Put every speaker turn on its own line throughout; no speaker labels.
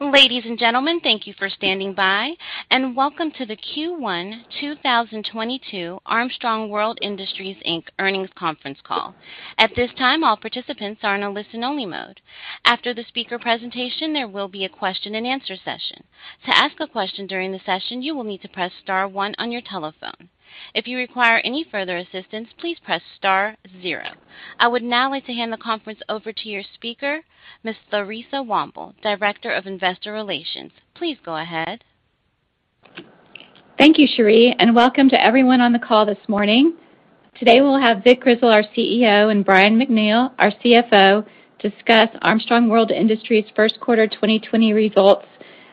Ladies and gentlemen, thank you for standing by, and welcome to the Q1 2022 Armstrong World Industries Inc. earnings conference call. At this time, all participants are in a listen-only mode. After the speaker presentation, there will be a question-and-answer session. To ask a question during the session, you will need to press star one on your telephone. If you require any further assistance, please press star zero. I would now like to hand the conference over to your speaker, Ms. Theresa Womble, Director of Investor Relations. Please go ahead.
Thank you, Cherie, and welcome to everyone on the call this morning. Today we'll have Vic Grizzle, our CEO, and Brian MacNeal, our CFO, discuss Armstrong World Industries first quarter 2022 results,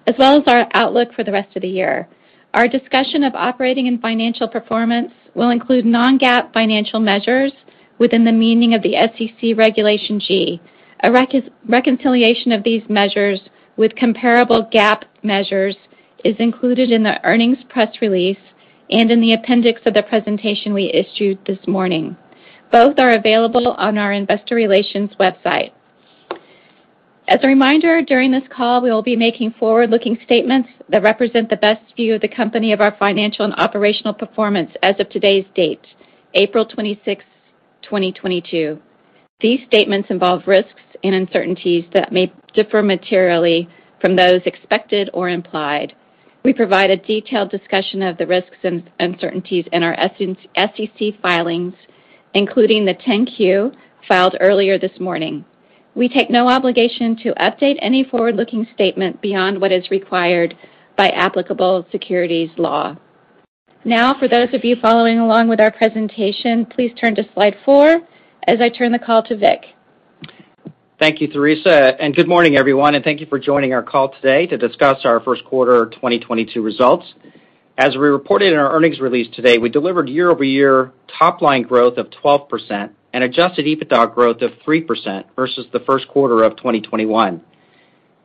as well as our outlook for the rest of the year. Our discussion of operating and financial performance will include non-GAAP financial measures within the meaning of the SEC Regulation G. A reconciliation of these measures with comparable GAAP measures is included in the earnings press release and in the appendix of the presentation we issued this morning. Both are available on our investor relations website. As a reminder, during this call we will be making forward-looking statements that represent the best view of the company of our financial and operational performance as of today's date, April 26, 2022. These statements involve risks and uncertainties that may differ materially from those expected or implied. We provide a detailed discussion of the risks and uncertainties in our SEC filings, including the 10-Q filed earlier this morning. We take no obligation to update any forward-looking statement beyond what is required by applicable securities law. Now, for those of you following along with our presentation, please turn to slide four as I turn the call to Vic.
Thank you, Theresa, and good morning, everyone, and thank you for joining our call today to discuss our first quarter 2022 results. As we reported in our earnings release today, we delivered year-over-year top line growth of 12% and adjusted EBITDA growth of 3% versus the first quarter of 2021.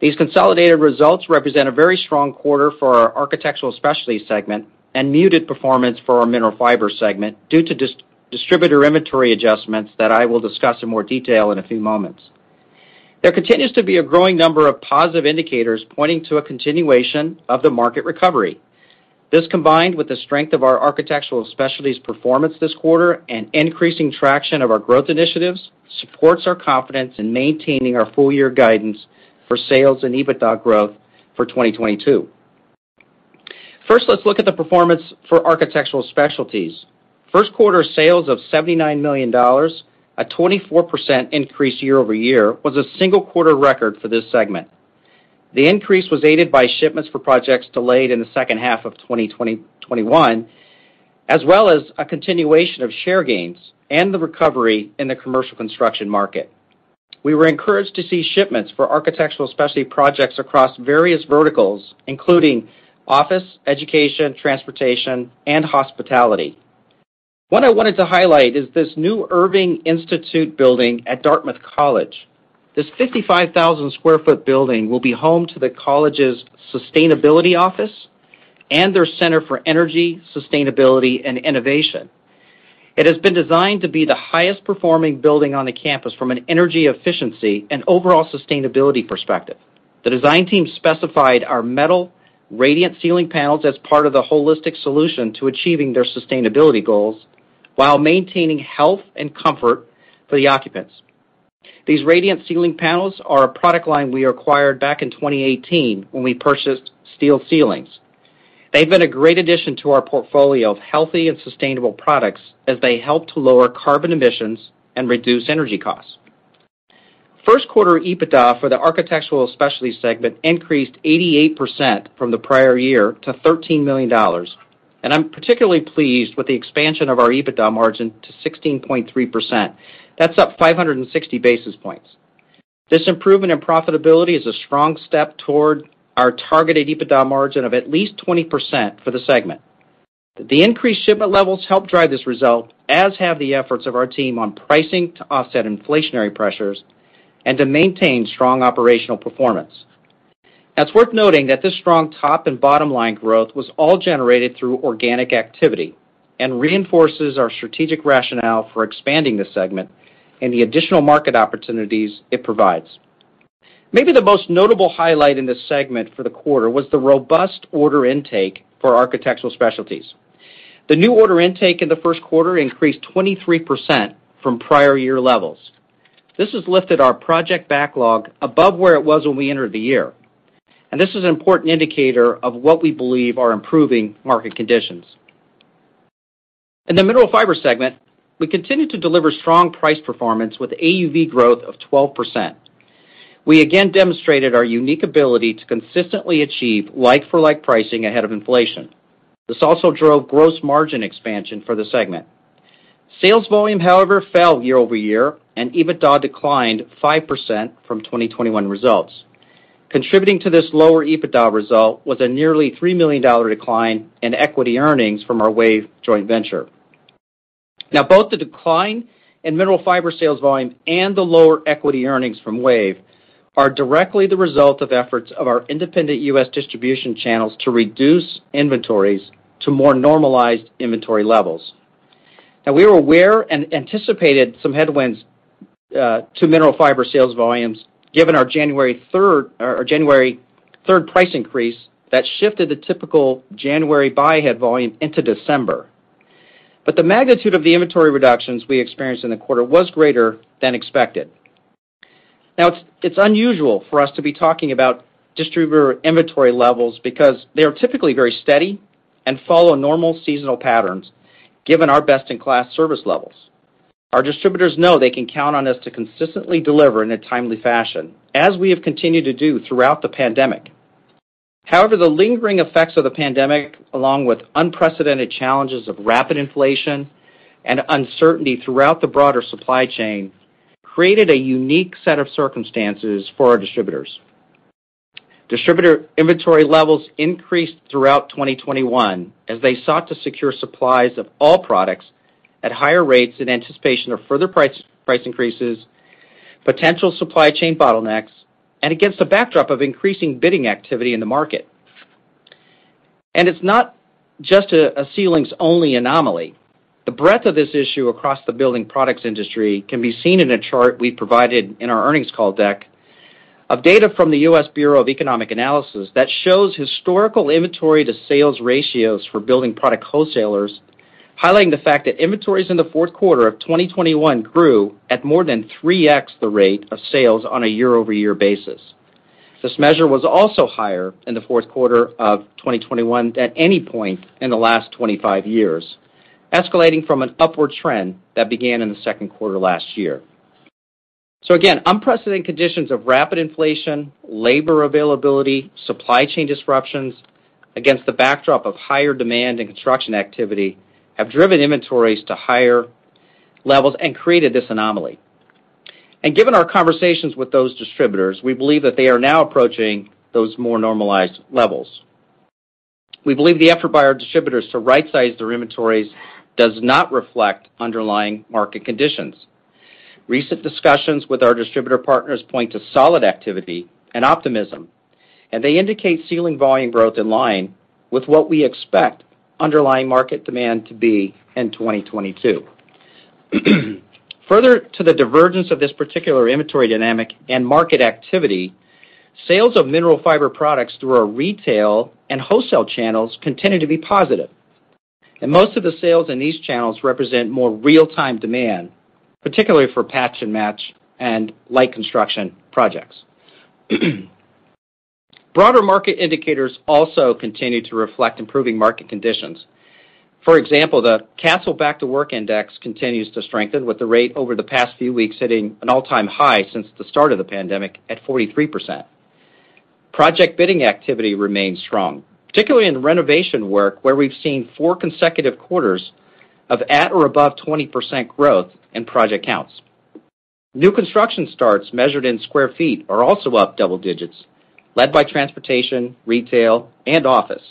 These consolidated results represent a very strong quarter for our Architectural Specialties segment and muted performance for our Mineral Fiber segment due to distributor inventory adjustments that I will discuss in more detail in a few moments. There continues to be a growing number of positive indicators pointing to a continuation of the market recovery. This, combined with the strength of our Architectural Specialties performance this quarter and increasing traction of our growth initiatives, supports our confidence in maintaining our full year guidance for sales and EBITDA growth for 2022. First, let's look at the performance for Architectural Specialties. First quarter sales of $79 million, a 24% increase year-over-year, was a single quarter record for this segment. The increase was aided by shipments for projects delayed in the second half of 2021, as well as a continuation of share gains and the recovery in the commercial construction market. We were encouraged to see shipments for Architectural Specialties projects across various verticals, including office, education, transportation, and hospitality. What I wanted to highlight is this new Irving Institute building at Dartmouth College. This 55,000 sq ft building will be home to the college's sustainability office and their Center for Energy, Sustainability and Innovation. It has been designed to be the highest performing building on the campus from an energy efficiency and overall sustainability perspective. The design team specified our metal radiant ceiling panels as part of the holistic solution to achieving their sustainability goals while maintaining health and comfort for the occupants. These radiant ceiling panels are a product line we acquired back in 2018 when we purchased Steel Ceilings. They've been a great addition to our portfolio of healthy and sustainable products as they help to lower carbon emissions and reduce energy costs. First quarter EBITDA for the Architectural Specialties segment increased 88% from the prior year to $13 million. I'm particularly pleased with the expansion of our EBITDA margin to 16.3%. That's up 560 basis points. This improvement in profitability is a strong step toward our targeted EBITDA margin of at least 20% for the segment. The increased shipment levels helped drive this result, as have the efforts of our team on pricing to offset inflationary pressures and to maintain strong operational performance. It's worth noting that this strong top and bottom line growth was all generated through organic activity and reinforces our strategic rationale for expanding this segment and the additional market opportunities it provides. Maybe the most notable highlight in this segment for the quarter was the robust order intake for Architectural Specialties. The new order intake in the first quarter increased 23% from prior year levels. This has lifted our project backlog above where it was when we entered the year, and this is an important indicator of what we believe are improving market conditions. In the Mineral Fiber segment, we continued to deliver strong price performance with AUV growth of 12%. We again demonstrated our unique ability to consistently achieve like-for-like pricing ahead of inflation. This also drove gross margin expansion for the segment. Sales volume, however, fell year-over-year, and EBITDA declined 5% from 2021 results. Contributing to this lower EBITDA result was a nearly $3 million decline in equity earnings from our WAVE joint venture. Now, both the decline in Mineral Fiber sales volume and the lower equity earnings from WAVE are directly the result of efforts of our independent U.S. distribution channels to reduce inventories to more normalized inventory levels. Now we were aware and anticipated some headwinds to Mineral Fiber sales volumes given our January third price increase that shifted the typical January buy ahead volume into December. But the magnitude of the inventory reductions we experienced in the quarter was greater than expected. It's unusual for us to be talking about distributor inventory levels because they are typically very steady and follow normal seasonal patterns given our best-in-class service levels. Our distributors know they can count on us to consistently deliver in a timely fashion, as we have continued to do throughout the pandemic. However, the lingering effects of the pandemic, along with unprecedented challenges of rapid inflation and uncertainty throughout the broader supply chain, created a unique set of circumstances for our distributors. Distributor inventory levels increased throughout 2021 as they sought to secure supplies of all products at higher rates in anticipation of further price increases, potential supply chain bottlenecks, and against a backdrop of increasing bidding activity in the market. It's not just a ceilings-only anomaly. The breadth of this issue across the building products industry can be seen in a chart we provided in our earnings call deck of data from the U.S. Bureau of Economic Analysis that shows historical inventory to sales ratios for building product wholesalers, highlighting the fact that inventories in the fourth quarter of 2021 grew at more than 3x the rate of sales on a year-over-year basis. This measure was also higher in the fourth quarter of 2021 at any point in the last 25 years, escalating from an upward trend that began in the second quarter last year. Again, unprecedented conditions of rapid inflation, labor availability, supply chain disruptions against the backdrop of higher demand and construction activity have driven inventories to higher levels and created this anomaly. Given our conversations with those distributors, we believe that they are now approaching those more normalized levels. We believe the effort by our distributors to right-size their inventories does not reflect underlying market conditions. Recent discussions with our distributor partners point to solid activity and optimism, and they indicate ceiling volume growth in line with what we expect underlying market demand to be in 2022. Further to the divergence of this particular inventory dynamic and market activity, sales of Mineral Fiber products through our retail and wholesale channels continue to be positive, and most of the sales in these channels represent more real-time demand, particularly for patch and match and light construction projects. Broader market indicators also continue to reflect improving market conditions. For example, the Kastle Back to Work Index continues to strengthen, with the rate over the past few weeks hitting an all-time high since the start of the pandemic at 43%. Project bidding activity remains strong, particularly in renovation work, where we've seen four consecutive quarters of at or above 20% growth in project counts. New construction starts measured in sq ft are also up double digits, led by transportation, retail, and office.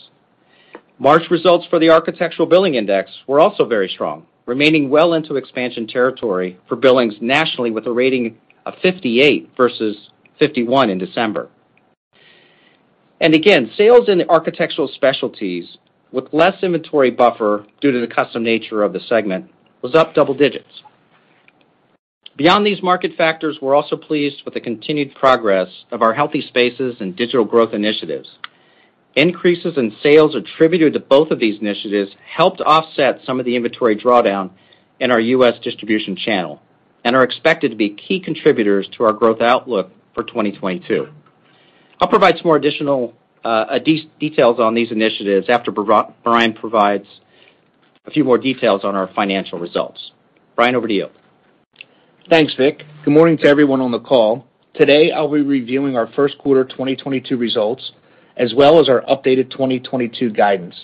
March results for the Architecture Billings Index were also very strong, remaining well into expansion territory for billings nationally with a rating of 58 versus 51 in December. Again, sales in Architectural Specialties with less inventory buffer due to the custom nature of the segment was up double digits. Beyond these market factors, we're also pleased with the continued progress of our Healthy Spaces and digital growth initiatives. Increases in sales attributed to both of these initiatives helped offset some of the inventory drawdown in our U.S. distribution channel and are expected to be key contributors to our growth outlook for 2022. I'll provide some more additional details on these initiatives after Brian provides a few more details on our financial results. Brian, over to you.
Thanks, Vic. Good morning to everyone on the call. Today, I'll be reviewing our first quarter 2022 results as well as our updated 2022 guidance.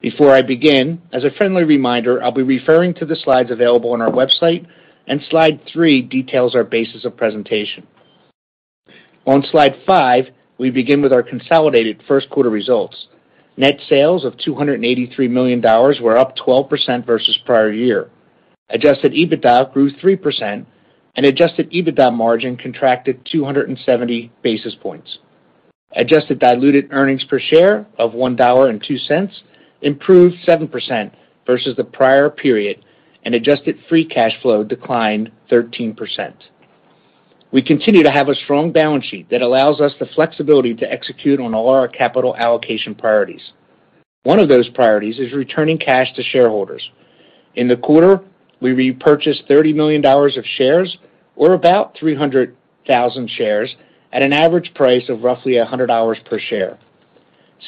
Before I begin, as a friendly reminder, I'll be referring to the slides available on our website, and slide three details our basis of presentation. On slide five, we begin with our consolidated first quarter results. Net sales of $283 million were up 12% versus prior year. Adjusted EBITDA grew 3%, and adjusted EBITDA margin contracted 270 basis points. Adjusted diluted earnings per share of $1.02 improved 7% versus the prior period, and adjusted free cash flow declined 13%. We continue to have a strong balance sheet that allows us the flexibility to execute on all our capital allocation priorities. One of those priorities is returning cash to shareholders. In the quarter, we repurchased $30 million of shares or about 300,000 shares at an average price of roughly $100 per share.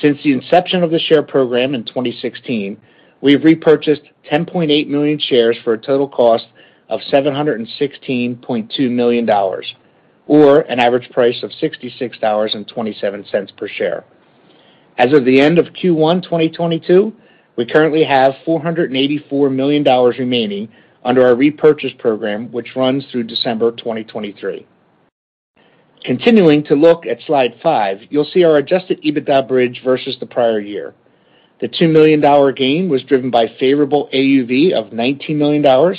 Since the inception of the share program in 2016, we have repurchased $10.8 million shares for a total cost of $716.2 million, or an average price of $66.27 per share. As of the end of Q1 2022, we currently have $484 million remaining under our repurchase program, which runs through December 2023. Continuing to look at slide five, you'll see our adjusted EBITDA bridge versus the prior year. The $2 million gain was driven by favorable AUV of $19 million.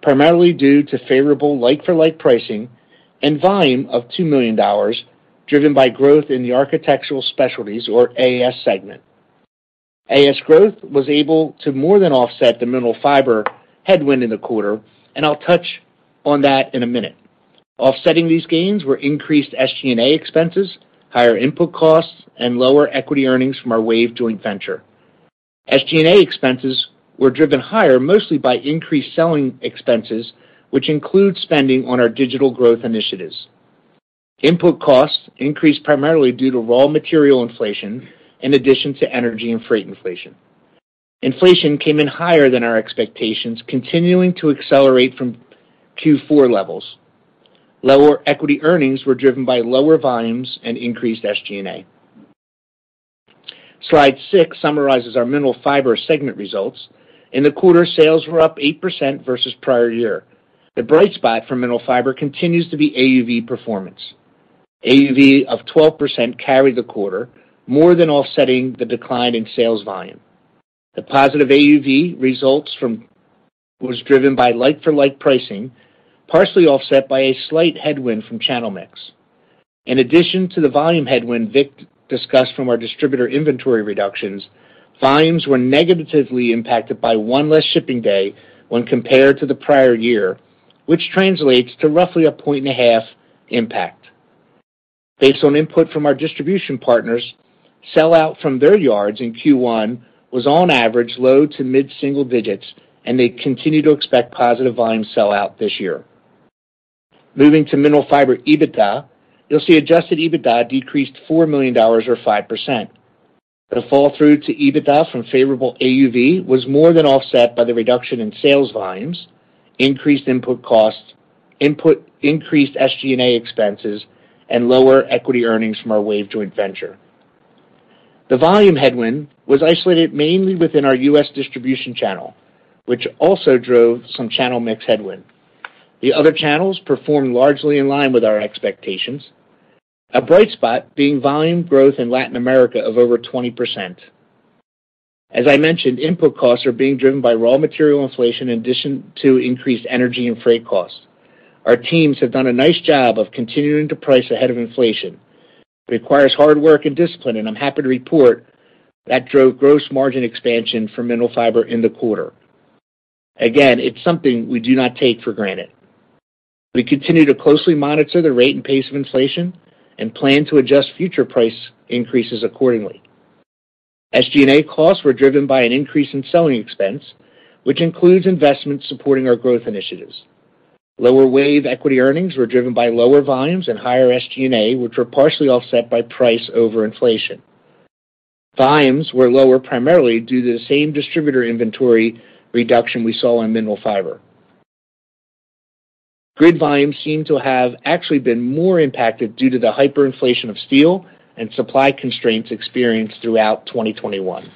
Primarily due to favorable like for like pricing and volume of $2 million, driven by growth in the Architectural Specialties or AS segment. AS growth was able to more than offset the Mineral Fiber headwind in the quarter, and I'll touch on that in a minute. Offsetting these gains were increased SG&A expenses, higher input costs, and lower equity earnings from our WAVE joint venture. SG&A expenses were driven higher, mostly by increased selling expenses, which include spending on our digital growth initiatives. Input costs increased primarily due to raw material inflation in addition to energy and freight inflation. Inflation came in higher than our expectations, continuing to accelerate from Q4 levels. Lower equity earnings were driven by lower volumes and increased SG&A. Slide six summarizes our Mineral Fiber segment results. In the quarter, sales were up 8% versus prior year. The bright spot for Mineral Fiber continues to be AUV performance. AUV of 12% carried the quarter, more than offsetting the decline in sales volume. The positive AUV results was driven by like-for-like pricing, partially offset by a slight headwind from channel mix. In addition to the volume headwind Vic discussed from our distributor inventory reductions, volumes were negatively impacted by one less shipping day when compared to the prior year, which translates to roughly a point and a half impact. Based on input from our distribution partners, sell-out from their yards in Q1 was on average low- to mid-single digits%, and they continue to expect positive volume sell-out this year. Moving to Mineral Fiber EBITDA, you'll see adjusted EBITDA decreased $4 million or 5%. The fall-through to EBITDA from favorable AUV was more than offset by the reduction in sales volumes, increased input costs, increased SG&A expenses, and lower equity earnings from our WAVE joint venture. The volume headwind was isolated mainly within our U.S. distribution channel, which also drove some channel mix headwind. The other channels performed largely in line with our expectations, a bright spot being volume growth in Latin America of over 20%. As I mentioned, input costs are being driven by raw material inflation in addition to increased energy and freight costs. Our teams have done a nice job of continuing to price ahead of inflation. It requires hard work and discipline, and I'm happy to report that drove gross margin expansion for Mineral Fiber in the quarter. Again, it's something we do not take for granted. We continue to closely monitor the rate and pace of inflation and plan to adjust future price increases accordingly. SG&A costs were driven by an increase in selling expense, which includes investments supporting our growth initiatives. Lower WAVE equity earnings were driven by lower volumes and higher SG&A, which were partially offset by price over inflation. Volumes were lower primarily due to the same distributor inventory reduction we saw in Mineral Fiber. Grid volumes seem to have actually been more impacted due to the hyperinflation of steel and supply constraints experienced throughout 2021.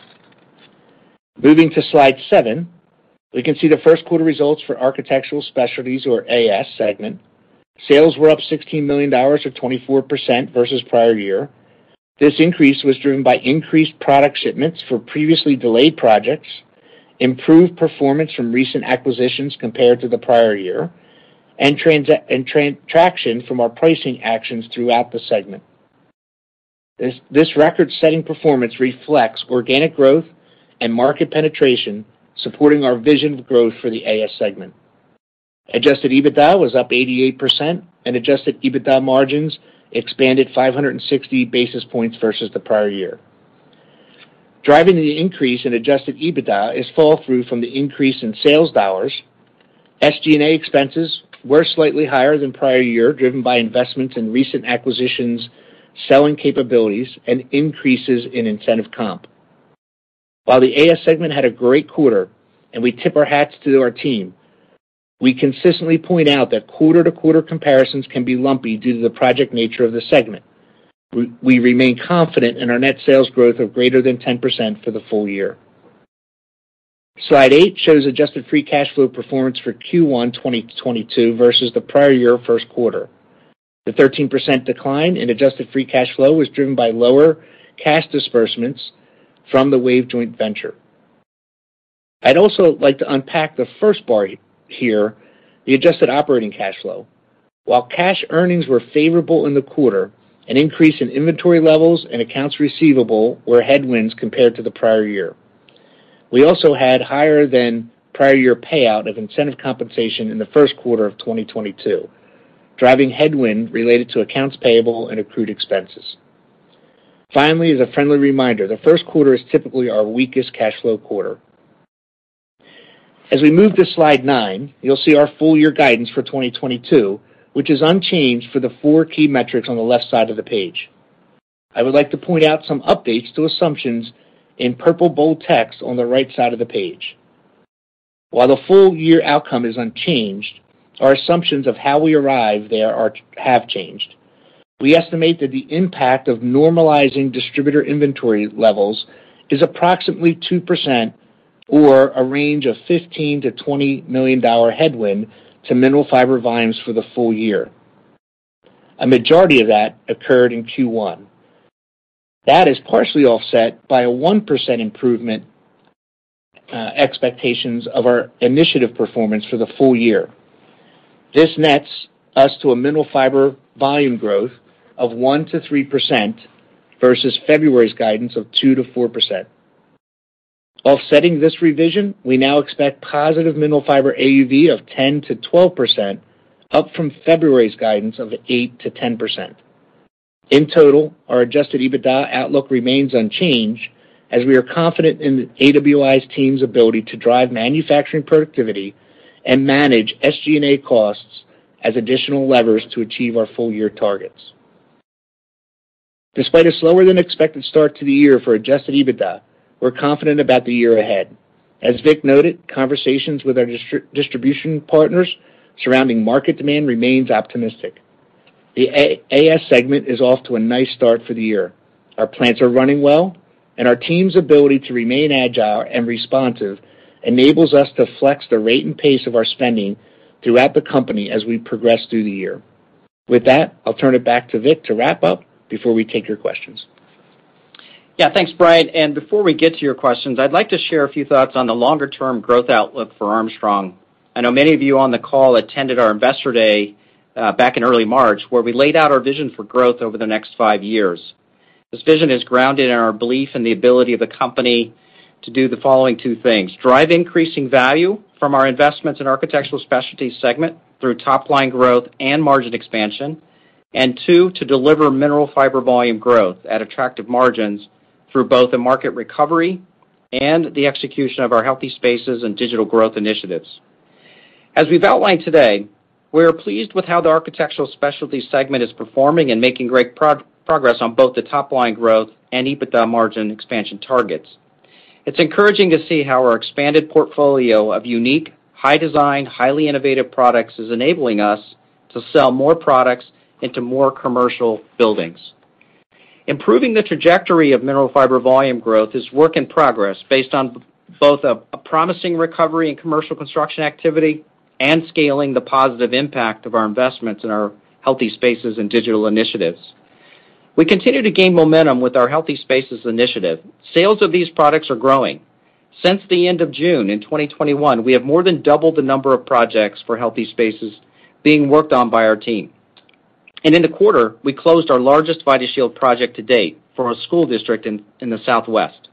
Moving to slide seven, we can see the first quarter results for Architectural Specialties or AS segment. Sales were up $16 million or 24% versus prior year. This increase was driven by increased product shipments for previously delayed projects, improved performance from recent acquisitions compared to the prior year, and traction from our pricing actions throughout the segment. This record-setting performance reflects organic growth and market penetration, supporting our vision of growth for the AS segment. Adjusted EBITDA was up 88% and adjusted EBITDA margins expanded 560 basis points versus the prior year. Driving the increase in adjusted EBITDA is flow through from the increase in sales dollars. SG&A expenses were slightly higher than prior year, driven by investments in recent acquisitions, selling capabilities, and increases in incentive comp. While the AS segment had a great quarter, and we tip our hats to our team, we consistently point out that quarter-to-quarter comparisons can be lumpy due to the project nature of the segment. We remain confident in our net sales growth of greater than 10% for the full year. Slide eight shows adjusted free cash flow performance for Q1 2022 versus the prior year first quarter. The 13% decline in adjusted free cash flow was driven by lower cash disbursements from the WAVE joint venture. I'd also like to unpack the first bar here, the adjusted operating cash flow. While cash earnings were favorable in the quarter, an increase in inventory levels and accounts receivable were headwinds compared to the prior year. We also had higher than prior year payout of incentive compensation in the first quarter of 2022, driving headwind related to accounts payable and accrued expenses. Finally, as a friendly reminder, the first quarter is typically our weakest cash flow quarter. As we move to slide nine, you'll see our full year guidance for 2022, which is unchanged for the four key metrics on the left side of the page. I would like to point out some updates to assumptions in purple bold text on the right side of the page. While the full year outcome is unchanged, our assumptions of how we arrive there are have changed. We estimate that the impact of normalizing distributor inventory levels is approximately 2% or a range of $15 million-$20 million headwind to Mineral Fiber volumes for the full year. A majority of that occurred in Q1. That is partially offset by a 1% improvement expectations of our initiative performance for the full year. This nets us to a Mineral Fiber volume growth of 1%-3% versus February's guidance of 2%-4%. Offsetting this revision, we now expect positive Mineral Fiber AUV of 10%-12%, up from February's guidance of 8%-10%. In total, our adjusted EBITDA outlook remains unchanged as we are confident in the AWI's team's ability to drive manufacturing productivity and manage SG&A costs as additional levers to achieve our full year targets. Despite a slower than expected start to the year for adjusted EBITDA, we're confident about the year ahead. As Vic noted, conversations with our distribution partners surrounding market demand remains optimistic. The AS segment is off to a nice start for the year. Our plants are running well, and our team's ability to remain agile and responsive enables us to flex the rate and pace of our spending throughout the company as we progress through the year. With that, I'll turn it back to Vic to wrap up before we take your questions.
Yeah, thanks, Brian. Before we get to your questions, I'd like to share a few thoughts on the longer term growth outlook for Armstrong. I know many of you on the call attended our investor day back in early March, where we laid out our vision for growth over the next five years. This vision is grounded in our belief in the ability of the company to do the following two things. Drive increasing value from our investments in Architectural Specialties segment through top line growth and margin expansion, and two, to deliver Mineral Fiber volume growth at attractive margins through both the market recovery and the execution of our Healthy Spaces and digital growth initiatives. As we've outlined today, we are pleased with how the Architectural Specialties segment is performing and making great progress on both the top line growth and EBITDA margin expansion targets. It's encouraging to see how our expanded portfolio of unique, high design, highly innovative products is enabling us to sell more products into more commercial buildings. Improving the trajectory of Mineral Fiber volume growth is work in progress based on both a promising recovery in commercial construction activity and scaling the positive impact of our investments in our Healthy Spaces and digital initiatives. We continue to gain momentum with our Healthy Spaces initiative. Sales of these products are growing. Since the end of June in 2021, we have more than doubled the number of projects for Healthy Spaces being worked on by our team. In the quarter, we closed our largest VIDASHIELD project to date for a school district in the Southwest.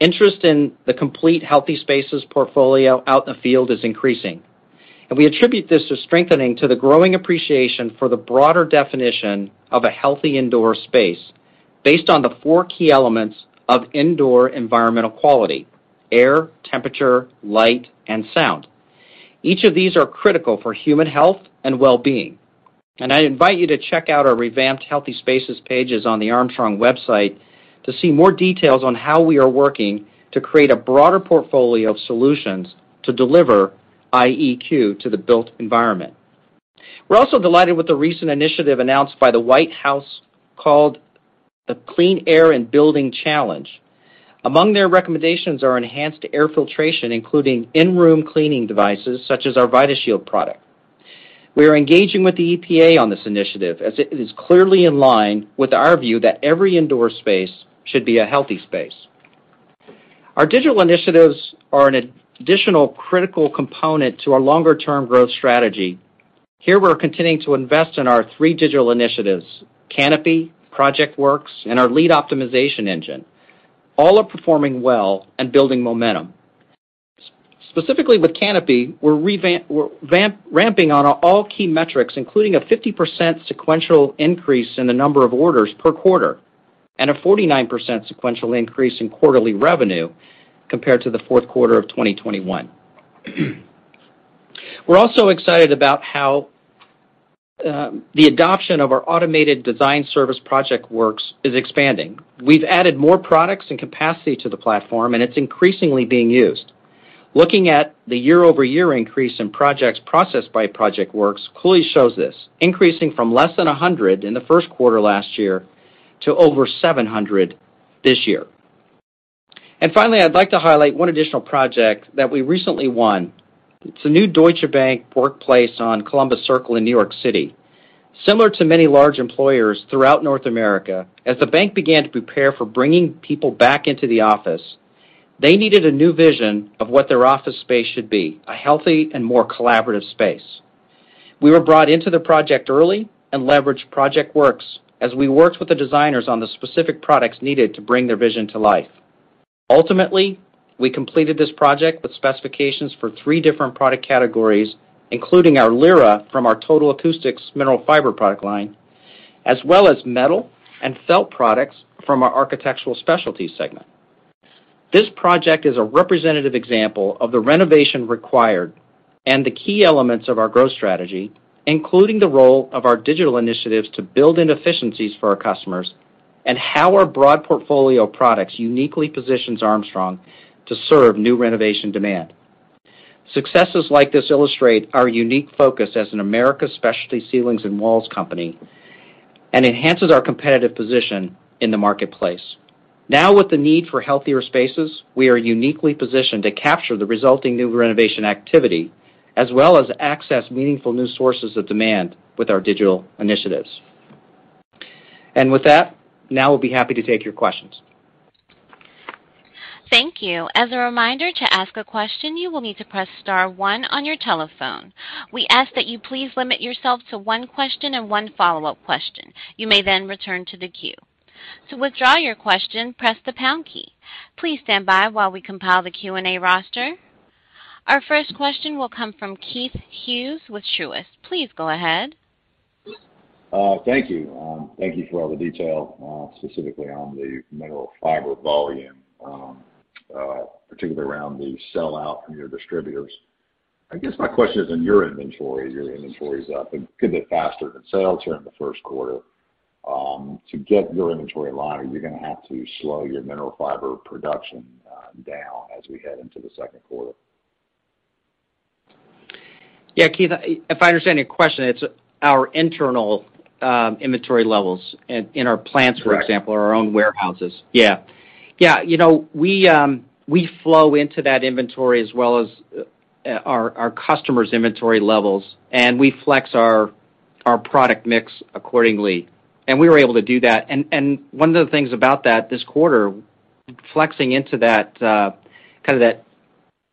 Interest in the complete Healthy Spaces portfolio out in the field is increasing. We attribute this to the strengthening, to the growing appreciation for the broader definition of a healthy indoor space based on the four key elements of indoor environmental quality, air, temperature, light, and sound. Each of these are critical for human health and well-being, and I invite you to check out our revamped Healthy Spaces pages on the Armstrong website to see more details on how we are working to create a broader portfolio of solutions to deliver IEQ to the built environment. We're also delighted with the recent initiative announced by the White House called the Clean Air in Buildings Challenge. Among their recommendations are enhanced air filtration, including in-room cleaning devices such as our VIDASHIELD product. We are engaging with the EPA on this initiative as it is clearly in line with our view that every indoor space should be a healthy space. Our digital initiatives are an additional critical component to our longer term growth strategy. Here, we're continuing to invest in our three digital initiatives, Kanopi, ProjectWorks, and our lead optimization engine. All are performing well and building momentum. Specifically with Kanopi, we're ramping on all key metrics, including a 50% sequential increase in the number of orders per quarter and a 49% sequential increase in quarterly revenue compared to the fourth quarter of 2021. We're also excited about how the adoption of our automated design service ProjectWorks is expanding. We've added more products and capacity to the platform, and it's increasingly being used. Looking at the year-over-year increase in projects processed by ProjectWorks clearly shows this, increasing from less than 100 in the first quarter last year to over 700 this year. Finally, I'd like to highlight one additional project that we recently won. It's a new Deutsche Bank workplace on Columbus Circle in New York City. Similar to many large employers throughout North America, as the bank began to prepare for bringing people back into the office, they needed a new vision of what their office space should be, a healthy and more collaborative space. We were brought into the project early and leveraged Projectworks as we worked with the designers on the specific products needed to bring their vision to life. Ultimately, we completed this project with specifications for three different product categories, including our LYRA from our Total Acoustics Mineral Fiber product line, as well as metal and felt products from our Architectural Specialties segment. This project is a representative example of the renovation required and the key elements of our growth strategy, including the role of our digital initiatives to build in efficiencies for our customers and how our broad portfolio of products uniquely positions Armstrong to serve new renovation demand. Successes like this illustrate our unique focus as an Architectural Specialties Ceilings and Walls company and enhances our competitive position in the marketplace. Now, with the need for healthier spaces, we are uniquely positioned to capture the resulting new renovation activity as well as access meaningful new sources of demand with our digital initiatives. With that, now we'll be happy to take your questions.
Thank you. As a reminder, to ask a question, you will need to press star one on your telephone. We ask that you please limit yourself to one question and one follow-up question. You may then return to the queue. To withdraw your question, press the pound key. Please stand by while we compile the Q&A roster. Our first question will come from Keith Hughes with Truist. Please go ahead.
Thank you for all the detail, specifically on the Mineral Fiber volume, particularly around the sell out from your distributors. I guess my question is on your inventory. Your inventory is up and growing faster than sales here in the first quarter. To get your inventory in line, are you gonna have to slow your Mineral Fiber production down as we head into the second quarter?
Yeah, Keith, if I understand your question, it's our internal inventory levels in our plants, for example.
Correct.
Our own warehouses. Yeah. Yeah. You know, we flow into that inventory as well as our customers' inventory levels, and we flex our product mix accordingly. We were able to do that. One of the things about that this quarter, flexing into that kind of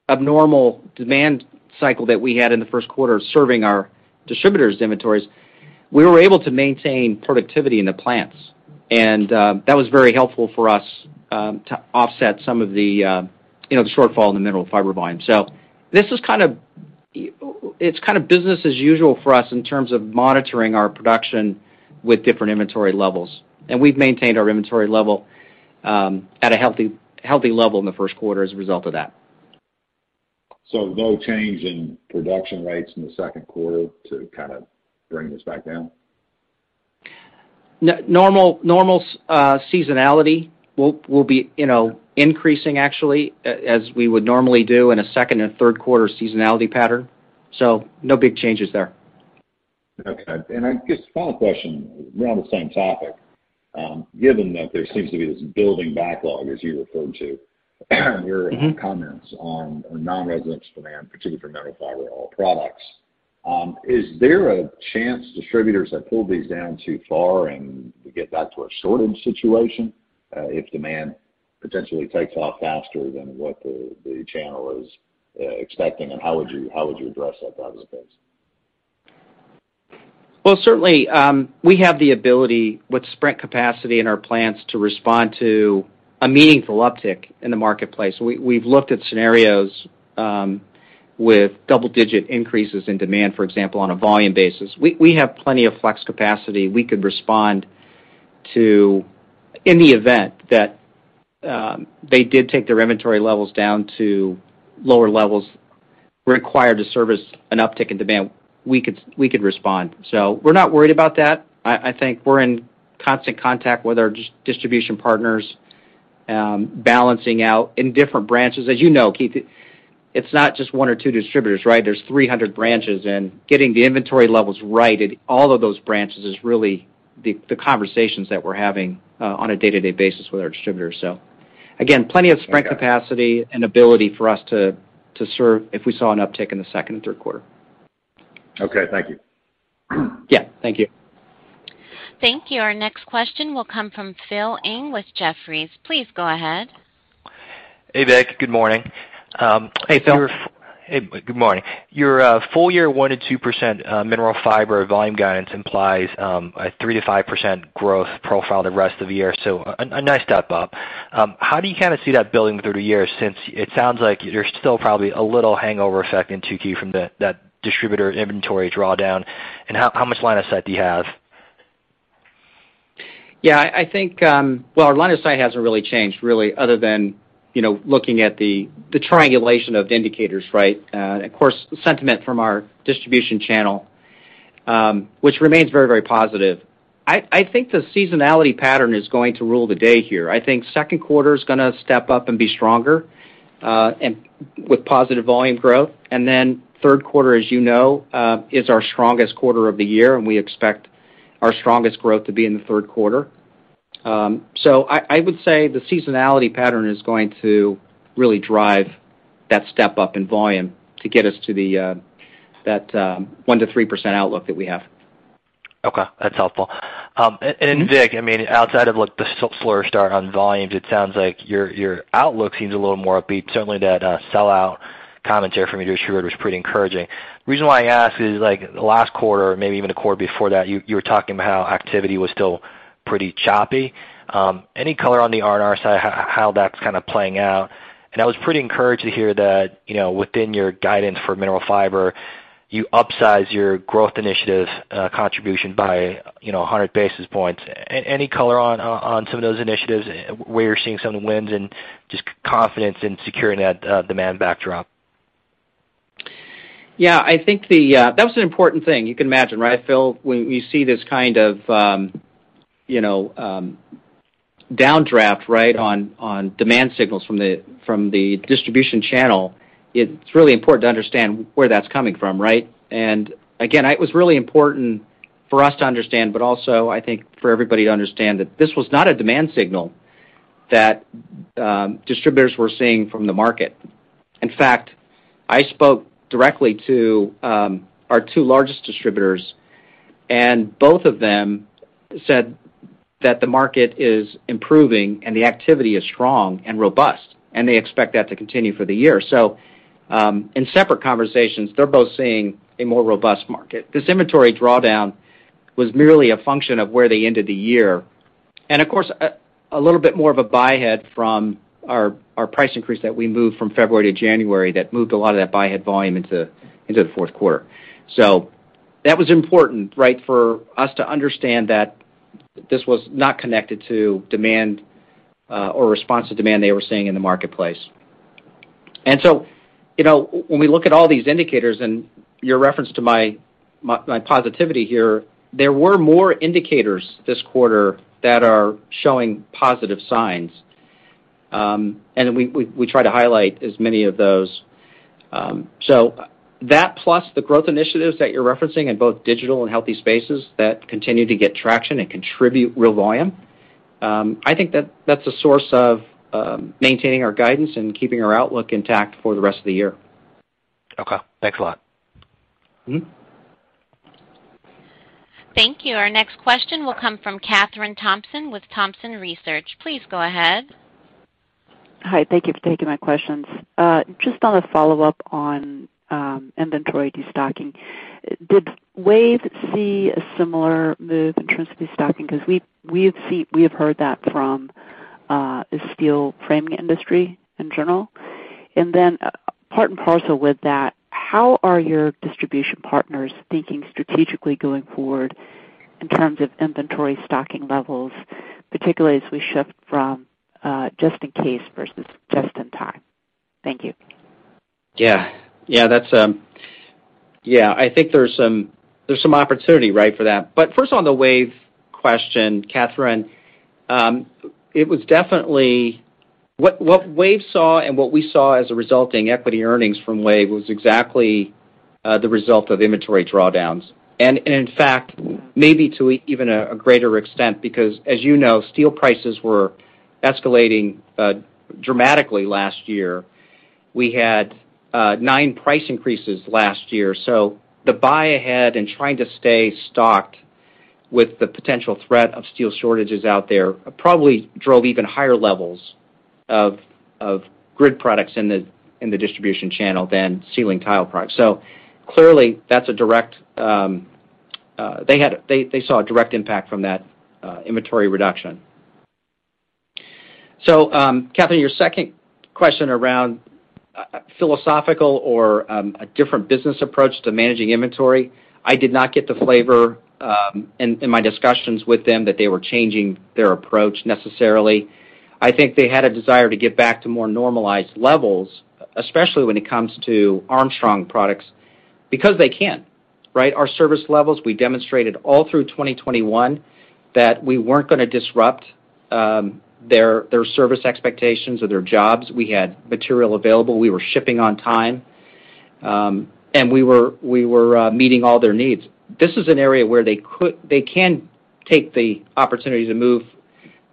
abnormal demand cycle that we had in the first quarter serving our distributors' inventories, we were able to maintain productivity in the plants. That was very helpful for us to offset some of the, you know, the shortfall in the Mineral Fiber volume. This is kind of business as usual for us in terms of monitoring our production with different inventory levels. We've maintained our inventory level at a healthy level in the first quarter as a result of that.
No change in production rates in the second quarter to kind of bring this back down?
No. Normal seasonality will be, you know, increasing actually as we would normally do in a second and third quarter seasonality pattern. No big changes there.
Okay. I guess one question around the same topic. Given that there seems to be this building backlog, as you referred to in your comments on non-residential demand, particularly for Mineral Fiber products, is there a chance distributors have pulled these down too far and we get back to a shortage situation, if demand potentially takes off faster than what the channel is expecting? How would you address that, by the way?
Certainly, we have the ability with sprint capacity in our plants to respond to a meaningful uptick in the marketplace. We've looked at scenarios with double-digit increases in demand, for example, on a volume basis. We have plenty of flex capacity we could respond to in the event that they did take their inventory levels down to lower levels required to service an uptick in demand. We could respond. We're not worried about that. I think we're in constant contact with our distribution partners, balancing out in different branches. As you know, Keith, it's not just one or two distributors, right? There's 300 branches, and getting the inventory levels right at all of those branches is really the conversations that we're having on a day-to-day basis with our distributors. Again, plenty of sprint capacity and ability for us to serve if we saw an uptick in the second and third quarter.
Okay, thank you.
Yeah, thank you.
Thank you. Our next question will come from Phil Ng with Jefferies. Please go ahead.
Hey, Vic. Good morning.
Hey, Phil.
Hey, good morning. Your full year 1%-2% Mineral Fiber volume guidance implies a 3%-5% growth profile the rest of the year. A nice step up. How do you kind of see that building through the year since it sounds like there's still probably a little hangover effect in 2Q from that distributor inventory drawdown, and how much line of sight do you have?
Yeah, I think. Well, our line of sight hasn't really changed other than, you know, looking at the triangulation of indicators, right? Of course, sentiment from our distribution channel, which remains very, very positive. I think the seasonality pattern is going to rule the day here. I think second quarter is gonna step up and be stronger, and with positive volume growth. Third quarter, as you know, is our strongest quarter of the year, and we expect our strongest growth to be in the third quarter. I would say the seasonality pattern is going to really drive that step up in volume to get us to that 1%-3% outlook that we have.
Okay, that's helpful. And Vic, I mean, outside of, like, the slower start on volumes, it sounds like your outlook seems a little more upbeat. Certainly that sellout commentary from your distributor was pretty encouraging. The reason why I ask is, like, last quarter, maybe even the quarter before that, you were talking about how activity was still pretty choppy. Any color on the RNR side, how that's kind of playing out? And I was pretty encouraged to hear that, you know, within your guidance for Mineral Fiber, you upsize your growth initiative contribution by, you know, 100 basis points. Any color on some of those initiatives where you're seeing some wins and just confidence in securing that demand backdrop?
Yeah, I think that was an important thing. You can imagine, right, Phil? When we see this kind of downdraft, right, on demand signals from the distribution channel, it's really important to understand where that's coming from, right? Again, it was really important for us to understand, but also I think for everybody to understand that this was not a demand signal that distributors were seeing from the market. In fact, I spoke directly to our two largest distributors, and both of them said that the market is improving and the activity is strong and robust, and they expect that to continue for the year. In separate conversations, they're both seeing a more robust market. This inventory drawdown was merely a function of where they ended the year. Of course, a little bit more of a buy-ahead from our price increase that we moved from February to January that moved a lot of that buy-ahead volume into the fourth quarter. That was important, right, for us to understand that this was not connected to demand or response to demand they were seeing in the marketplace. You know, when we look at all these indicators and your reference to my positivity here, there were more indicators this quarter that are showing positive signs. We try to highlight as many of those. That plus the growth initiatives that you're referencing in both digital and Healthy Spaces that continue to get traction and contribute real volume, I think that that's a source of maintaining our guidance and keeping our outlook intact for the rest of the year.
Okay, thanks a lot.
Mm-hmm.
Thank you. Our next question will come from Kathryn Thompson with Thompson Research. Please go ahead.
Hi, thank you for taking my questions. Just on a follow-up on inventory destocking. Did WAVE see a similar move in terms of destocking? Because we have heard that from the steel framing industry in general. Part and parcel with that, how are your distribution partners thinking strategically going forward in terms of inventory stocking levels, particularly as we shift from just in case versus just in time? Thank you.
Yeah. Yeah, that's. Yeah, I think there's some opportunity, right, for that. First on the WAVE question, Kathryn, it was definitely what WAVE saw and what we saw as a resulting equity earnings from WAVE was exactly the result of inventory drawdowns. In fact, maybe to even a greater extent, because as you know, steel prices were escalating dramatically last year. We had nine price increases last year. The buy ahead and trying to stay stocked with the potential threat of steel shortages out there probably drove even higher levels of grid products in the distribution channel than ceiling tile products. Clearly that's a direct impact they saw from that inventory reduction. Kathryn, your second question around philosophical or a different business approach to managing inventory. I did not get the flavor in my discussions with them that they were changing their approach necessarily. I think they had a desire to get back to more normalized levels, especially when it comes to Armstrong products, because they can. Right? Our service levels, we demonstrated all through 2021 that we weren't gonna disrupt their service expectations or their jobs. We had material available. We were shipping on time. And we were meeting all their needs. This is an area where they can take the opportunity to move,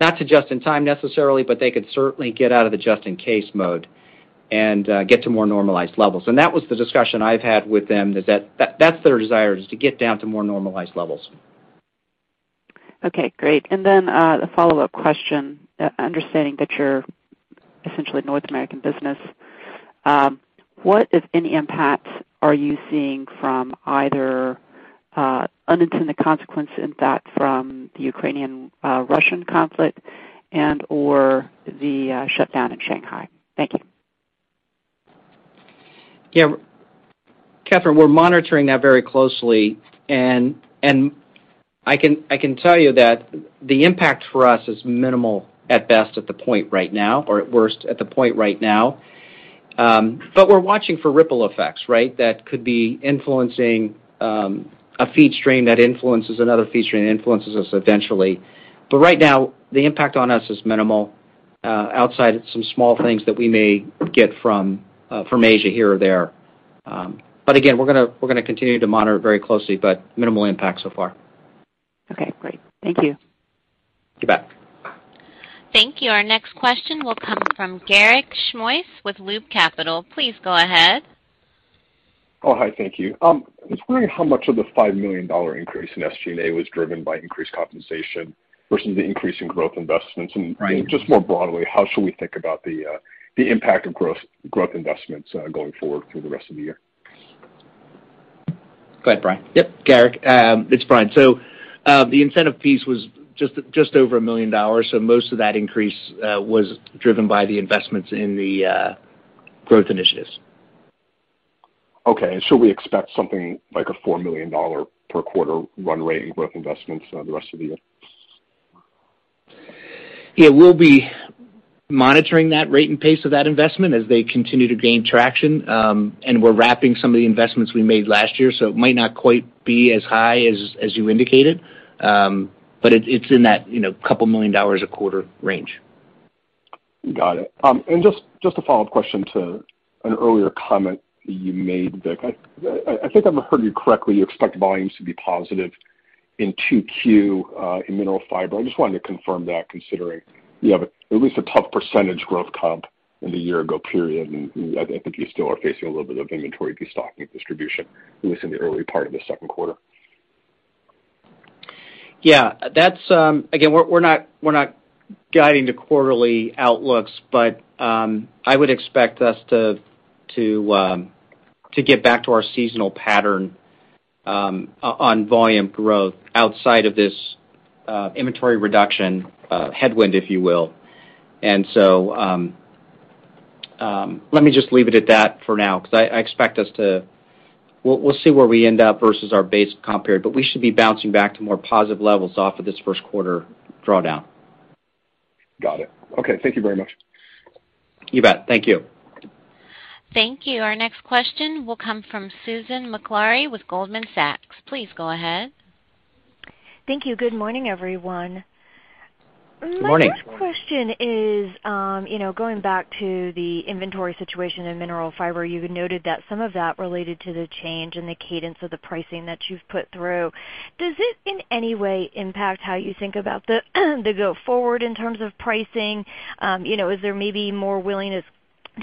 not to just in time necessarily, but they could certainly get out of the just in case mode and get to more normalized levels. That was the discussion I've had with them is that's their desire, is to get down to more normalized levels.
Okay, great. The follow-up question, understanding that you're essentially North American business, what, if any, impacts are you seeing from either, unintended consequences in that from the Ukrainian, Russian conflict and or the, shutdown in Shanghai? Thank you.
Yeah. Kathryn, we're monitoring that very closely. I can tell you that the impact for us is minimal at best at this point right now or at worst at this point right now. But we're watching for ripple effects, right? That could be influencing a feedstock that influences another feedstock that influences us eventually. But right now, the impact on us is minimal, outside of some small things that we may get from Asia here or there. But again, we're gonna continue to monitor it very closely, but minimal impact so far.
Okay, great. Thank you.
You bet.
Thank you. Our next question will come from Garik Shmois with Loop Capital. Please go ahead.
Oh, hi. Thank you. I was wondering how much of the $5 million increase in SG&A was driven by increased compensation versus the increase in growth investments?
Right.
Just more broadly, how should we think about the impact of growth investments going forward through the rest of the year?
Go ahead, Brian.
Yep. Garik, it's Brian. The incentive piece was just over $1 million, so most of that increase was driven by the investments in the growth initiatives.
Okay. Should we expect something like a $4 million per quarter run rate in growth investments for the rest of the year?
It will be. Monitoring that rate and pace of that investment as they continue to gain traction, and we're wrapping some of the investments we made last year, so it might not quite be as high as you indicated. But it's in that, you know, couple million dollars a quarter range.
Got it. And just a follow-up question to an earlier comment you made, Vic. I think I've heard you correctly, you expect volumes to be positive in 2Q in Mineral Fiber. I just wanted to confirm that considering you have at least a tough percentage growth comp in the year-ago period, and I think you still are facing a little bit of inventory destocking distribution, at least in the early part of the second quarter.
Yeah. That's. Again, we're not guiding to quarterly outlooks, but I would expect us to get back to our seasonal pattern on volume growth outside of this inventory reduction headwind, if you will. Let me just leave it at that for now 'cause I expect us to. We'll see where we end up versus our base comp period, but we should be bouncing back to more positive levels off of this first quarter drawdown.
Got it. Okay, thank you very much.
You bet. Thank you.
Thank you. Our next question will come from Susan Maklari with Goldman Sachs. Please go ahead.
Thank you. Good morning, everyone.
Good morning.
My first question is, you know, going back to the inventory situation in Mineral Fiber, you noted that some of that related to the change in the cadence of the pricing that you've put through. Does it in any way impact how you think about the go forward in terms of pricing? You know, is there maybe more willingness to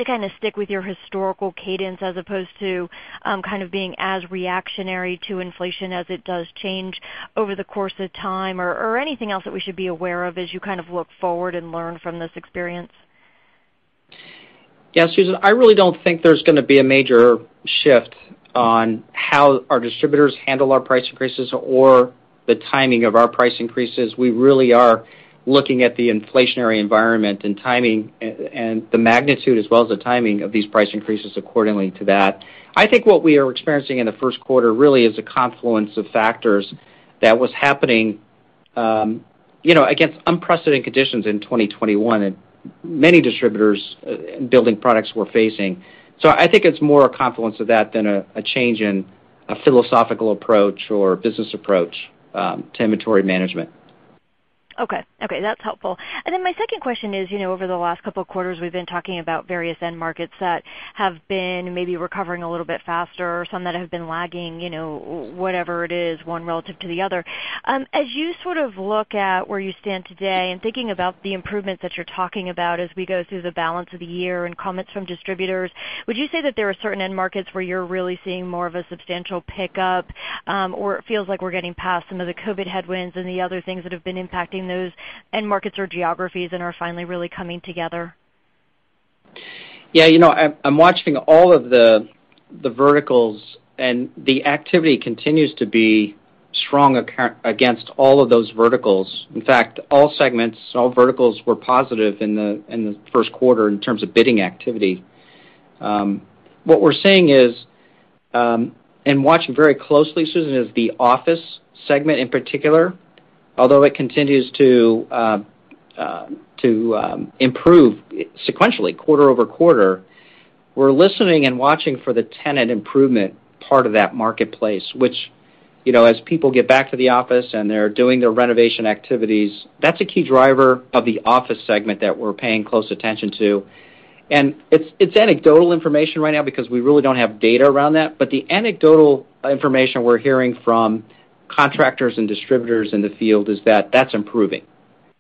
kinda stick with your historical cadence as opposed to, kind of being as reactionary to inflation as it does change over the course of time, or anything else that we should be aware of as you kind of look forward and learn from this experience?
Yeah, Susan, I really don't think there's gonna be a major shift on how our distributors handle our price increases or the timing of our price increases. We really are looking at the inflationary environment and timing and the magnitude as well as the timing of these price increases accordingly to that. I think what we are experiencing in the first quarter really is a confluence of factors that was happening, you know, against unprecedented conditions in 2021 and many distributors building products were facing. I think it's more a confluence of that than a change in a philosophical approach or business approach to inventory management.
Okay. Okay, that's helpful. My second question is, you know, over the last couple of quarters, we've been talking about various end markets that have been maybe recovering a little bit faster or some that have been lagging, you know, whatever it is, one relative to the other. As you sort of look at where you stand today and thinking about the improvements that you're talking about as we go through the balance of the year and comments from distributors, would you say that there are certain end markets where you're really seeing more of a substantial pickup, or it feels like we're getting past some of the COVID headwinds and the other things that have been impacting those end markets or geographies and are finally really coming together?
Yeah, you know, I'm watching all of the verticals, and the activity continues to be strong across all of those verticals. In fact, all segments, all verticals were positive in the first quarter in terms of bidding activity. What we're seeing is and watching very closely, Susan, is the office segment in particular. Although it continues to improve sequentially quarter-over-quarter, we're listening and watching for the tenant improvement part of that marketplace, which, you know, as people get back to the office and they're doing their renovation activities, that's a key driver of the office segment that we're paying close attention to. It's anecdotal information right now because we really don't have data around that. The anecdotal information we're hearing from contractors and distributors in the field is that that's improving,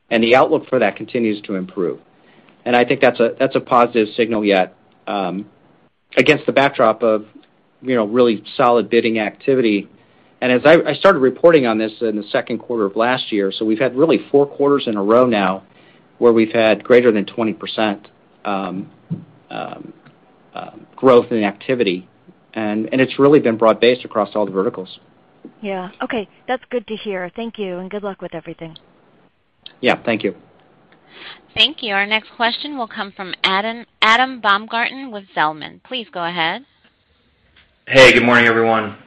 and the outlook for that continues to improve. I think that's a positive signal yet against the backdrop of, you know, really solid bidding activity. As I started reporting on this in the second quarter of last year, so we've had really four quarters in a row now where we've had greater than 20% growth in activity, and it's really been broad-based across all the verticals.
Yeah. Okay. That's good to hear. Thank you, and good luck with everything.
Yeah, thank you.
Thank you. Our next question will come from Adam Baumgarten with Zelman. Please go ahead.
Hey, good morning, everyone.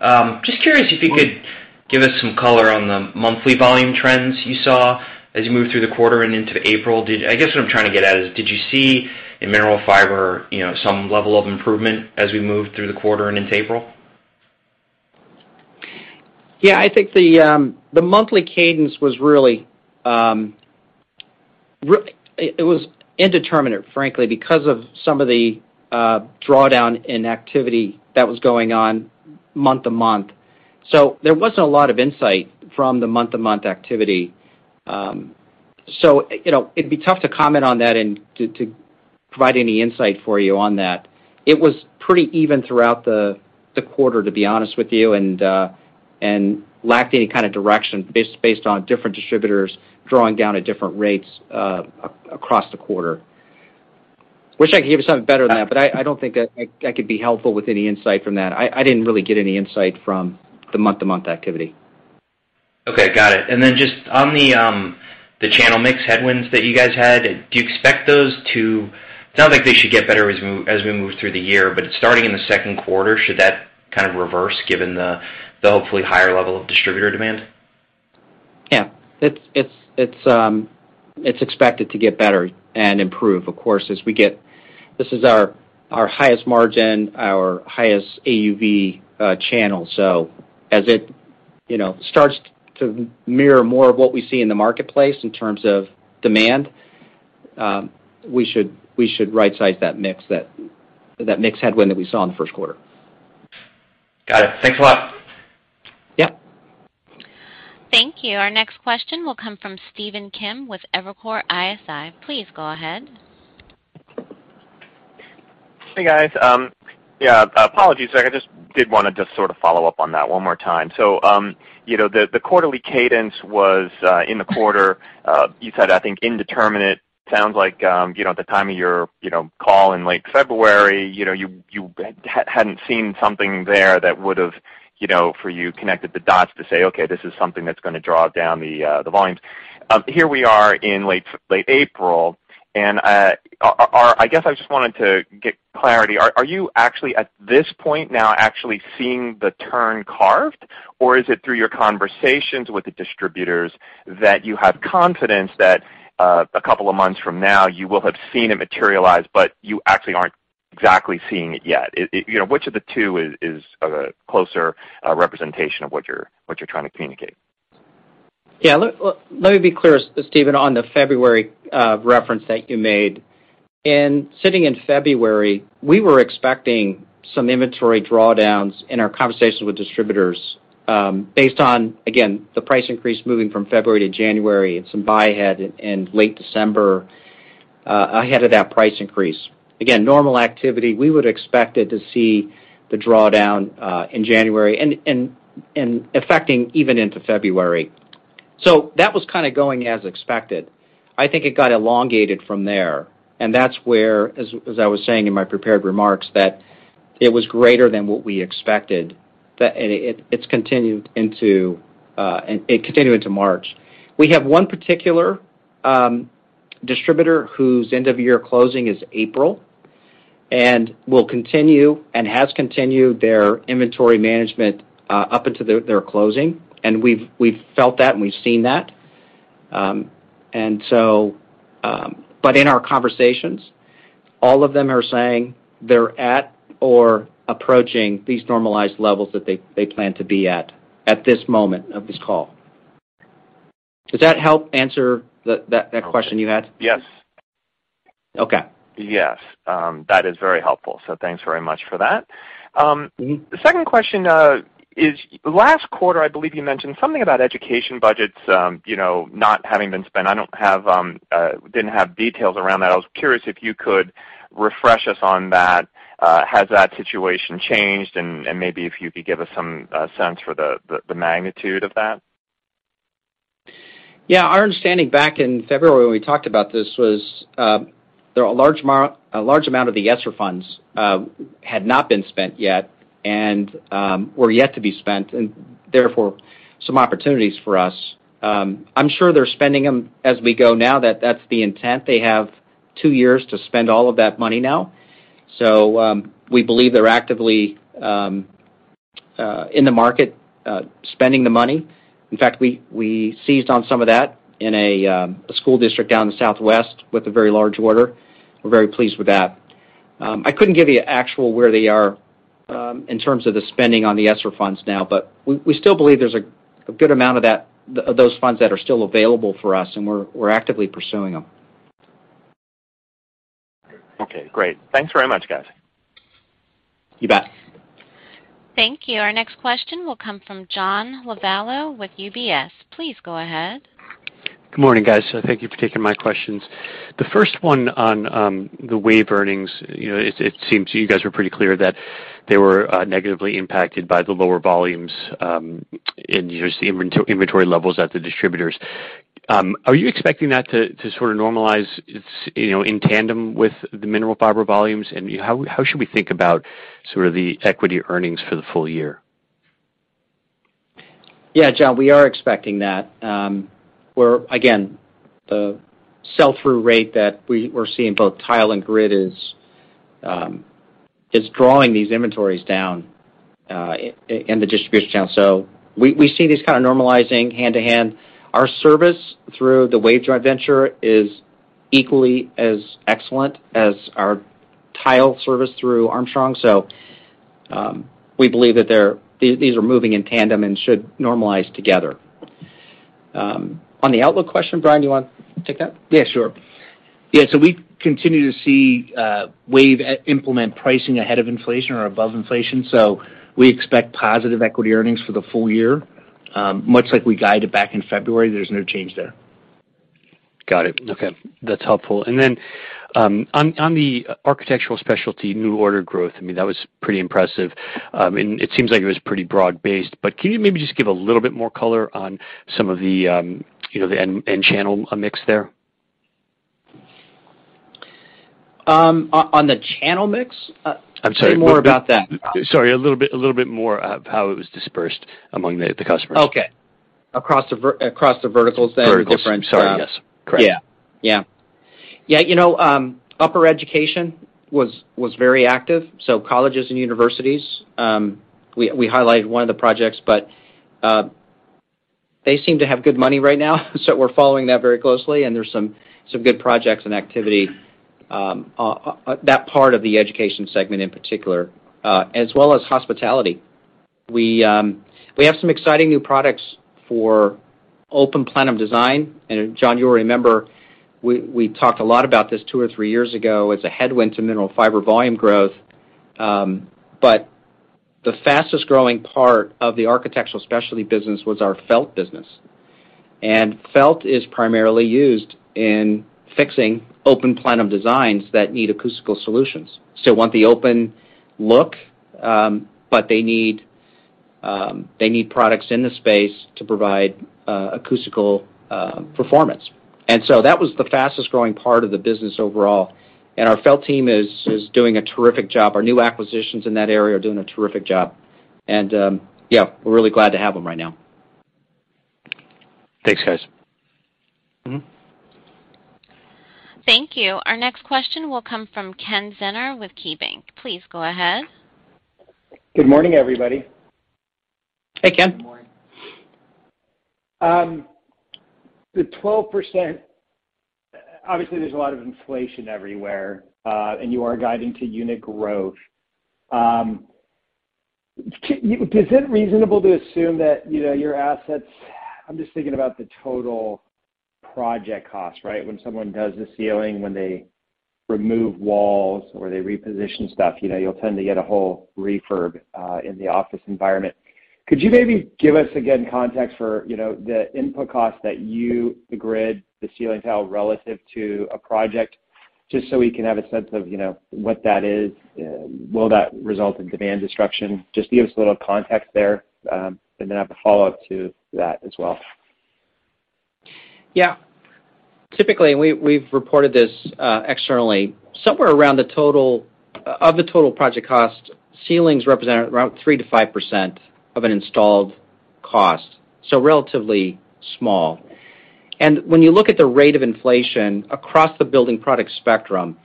Just curious if you could give us some color on the monthly volume trends you saw as you moved through the quarter and into April. I guess what I'm trying to get at is did you see in Mineral Fiber, you know, some level of improvement as we moved through the quarter and into April?
Yeah, I think the monthly cadence was really it was indeterminant, frankly, because of some of the drawdown in activity that was going on month-to-month. There wasn't a lot of insight from the month-to-month activity. You know, it'd be tough to comment on that and to provide any insight for you on that. It was pretty even throughout the quarter, to be honest with you, and lacked any kind of direction based on different distributors drawing down at different rates across the quarter. Wish I could give you something better than that, but I don't think I could be helpful with any insight from that. I didn't really get any insight from the month-to-month activity.
Okay, got it. Just on the channel mix headwinds that you guys had, do you expect those to get better as we move through the year? It's not like they should get better as we move through the year, but starting in the second quarter, should that kind of reverse given the hopefully higher level of distributor demand?
Yeah, it's expected to get better and improve, of course, as we get. This is our highest margin, our highest AUV channel. So as it, you know, starts to mirror more of what we see in the marketplace in terms of demand, we should right size that mix, that mix headwind that we saw in the first quarter.
Got it. Thanks a lot.
Yeah.
Thank you. Our next question will come from Stephen Kim with Evercore ISI. Please go ahead.
Hey, guys. Yeah, apologies. I just did wanna just sort of follow up on that one more time. You know, the quarterly cadence was in the quarter you said, I think indeterminate. Sounds like you know, at the time of your call in late February, you know, you hadn't seen something there that would've, you know, for you, connected the dots to say, "Okay, this is something that's gonna draw down the volumes." Here we are in late April, and are you actually at this point now actually seeing the turn carved? Is it through your conversations with the distributors that you have confidence that a couple of months from now you will have seen it materialize, but you actually aren't exactly seeing it yet? It, you know, which of the two is a closer representation of what you're trying to communicate?
Let me be clear, Stephen, on the February reference that you made. In Q1 in February, we were expecting some inventory drawdowns in our conversations with distributors based on, again, the price increase from January to February and some buy-ahead in late December ahead of that price increase. Again, normal activity, we would expect it to see the drawdown in January and affecting even into February. That was kinda going as expected. I think it got elongated from there, and that's where, as I was saying in my prepared remarks, that it was greater than what we expected. It continued into March. We have one particular distributor whose end of year closing is April and will continue and has continued their inventory management up until their closing. We've felt that, and we've seen that. In our conversations, all of them are saying they're at or approaching these normalized levels that they plan to be at this moment of this call. Does that help answer that question you had?
Yes.
Okay.
Yes. That is very helpful, so thanks very much for that. Second question is last quarter, I believe you mentioned something about education budgets, you know, not having been spent. I didn't have details around that. I was curious if you could refresh us on that. Has that situation changed? Maybe if you could give us some sense for the magnitude of that.
Yeah. Our understanding back in February when we talked about this was, there are a large amount of the ESSER Funds had not been spent yet and were yet to be spent and therefore some opportunities for us. I'm sure they're spending them as we go now that that's the intent. They have two years to spend all of that money now. We believe they're actively in the market spending the money. In fact, we seized on some of that in a school district down in the southwest with a very large order. We're very pleased with that. I couldn't give you actual where they are in terms of the spending on the ESSER Funds now, but we still believe there's a good amount of those funds that are still available for us, and we're actively pursuing them.
Okay, great. Thanks very much, guys.
You bet.
Thank you. Our next question will come from John Lovallo with UBS. Please go ahead.
Good morning, guys. Thank you for taking my questions. The first one on the WAVE earnings. You know, it seems you guys were pretty clear that they were negatively impacted by the lower volumes in just the inventory levels at the distributors. Are you expecting that to sort of normalize, it's you know in tandem with the Mineral Fiber volumes? And how should we think about sort of the equity earnings for the full year?
Yeah, John, we are expecting that. We're again the sell-through rate we're seeing both tile and grid is drawing these inventories down in the distribution channel. We see this kind of normalizing hand in hand. Our service through the WAVE joint venture is equally as excellent as our tile service through Armstrong. We believe that these are moving in tandem and should normalize together. On the outlook question, Brian, do you want to take that?
Yeah, sure. Yeah. We continue to see WAVE implement pricing ahead of inflation or above inflation. We expect positive equity earnings for the full year, much like we guided back in February. There's no change there.
Got it. Okay. That's helpful. Then, on the Architectural Specialties new order growth, I mean, that was pretty impressive. It seems like it was pretty broad-based, but can you maybe just give a little bit more color on some of the, you know, the end channel mix there?
On the channel mix?
I'm sorry.
Say more about that.
Sorry. A little bit more of how it was dispersed among the customers.
Okay. Across the verticals then.
Verticals.
Or different.
Sorry. Yes. Correct.
Yeah, you know, higher education was very active, so colleges and universities, we highlighted one of the projects, but they seem to have good money right now, so we're following that very closely, and there's some good projects and activity, that part of the education segment in particular, as well as hospitality. We have some exciting new products for open plenum design. John, you'll remember we talked a lot about this two or three years ago as a headwind to Mineral Fiber volume growth. The fastest-growing part of the Architectural Specialties business was our felt business. Felt is primarily used in fixing open plenum designs that need acoustical solutions. They want the open look, but they need products in the space to provide acoustical performance. That was the fastest-growing part of the business overall, and our felt team is doing a terrific job. Our new acquisitions in that area are doing a terrific job. Yeah, we're really glad to have them right now.
Thanks, guys.
Mm-hmm.
Thank you. Our next question will come from Ken Zener with KeyBanc. Please go ahead.
Good morning, everybody.
Hey, Ken.
Good morning. The 12%, obviously there's a lot of inflation everywhere, and you are guiding to unit growth. Is it reasonable to assume that, you know, your assets, I'm just thinking about the total project cost, right? When someone does the ceiling, when they remove walls or they reposition stuff, you know, you'll tend to get a whole refurb in the office environment. Could you maybe give us, again, context for, you know, the input costs that you, the grid, the ceiling tile relative to a project, just so we can have a sense of, you know, what that is? Will that result in demand destruction? Just give us a little context there, and then I have a follow-up to that as well.
Yeah. Typically, we've reported this externally, ceilings represent around 3%-5% of an installed cost, so relatively small. When you look at the rate of inflation across the building product spectrum,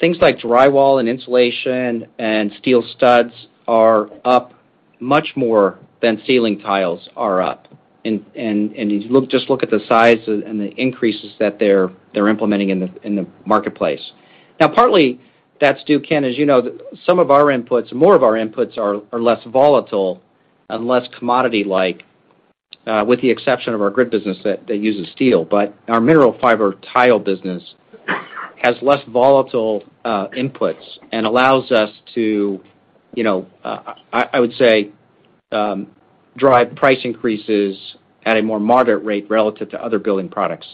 things like drywall and insulation and steel studs are up much more than ceiling tiles are up, you look, just look at the size and the increases that they're implementing in the marketplace. Now partly that's due, Ken, as you know, some of our inputs, more of our inputs are less volatile and less commodity-like, with the exception of our grid business that uses steel. Our Mineral Fiber tile business has less volatile inputs and allows us to, you know, I would say, drive price increases at a more moderate rate relative to other building products.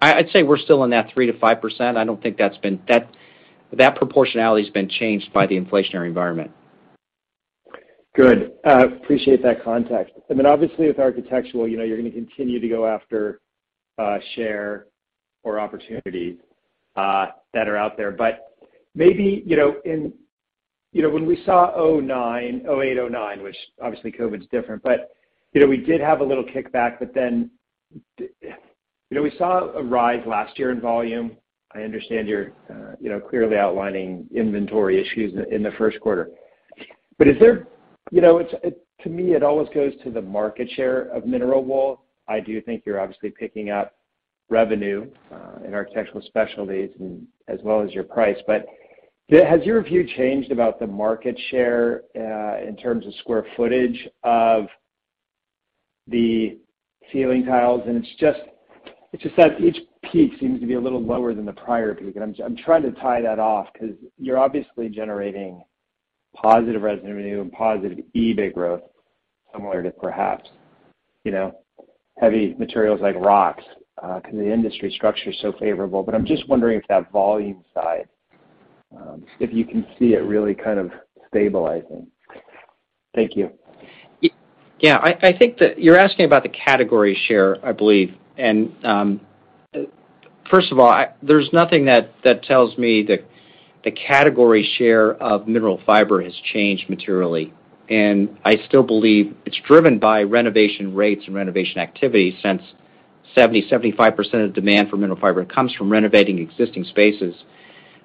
I'd say we're still in that 3%-5%. I don't think that proportionality's been changed by the inflationary environment.
Good. Appreciate that context. I mean, obviously with Architectural, you know, you're gonna continue to go after share or opportunities that are out there. Maybe, you know, in, you know, when we saw 2009, 2008, 2009, which obviously COVID's different, but, you know, we did have a little kickback, but then, you know, we saw a rise last year in volume. I understand you're, you know, clearly outlining inventory issues in the first quarter. Is there, you know, to me, it always goes to the market share of Mineral Fiber. I do think you're obviously picking up revenue in Architectural Specialties and as well as your price. Has your view changed about the market share in terms of square footage of the ceiling tiles? It's just that each peak seems to be a little lower than the prior peak. I'm trying to tie that off because you're obviously generating positive revenue and positive EBIT growth similar to perhaps, you know, heavy materials like rocks, because the industry structure is so favorable. I'm just wondering if that volume side, if you can see it really kind of stabilizing. Thank you.
Yeah. I think that you're asking about the category share, I believe. First of all, there's nothing that tells me the category share of Mineral Fiber has changed materially. I still believe it's driven by renovation rates and renovation activity since 75% of demand for Mineral Fiber comes from renovating existing spaces.